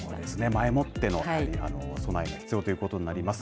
前もっての備えが必要ということになります。